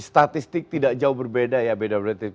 statistik tidak jauh berbeda ya bwlt